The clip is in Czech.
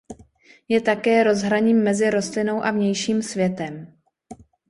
Je také rozhraním mezi rostlinou a vnějším světem.